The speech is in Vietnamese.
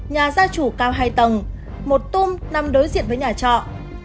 nhà gia chủ cao hai tầng một tung nằm đối diện với nhà trọ